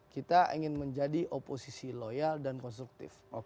kita ingin menjadi oposisi loyal dan konstruktif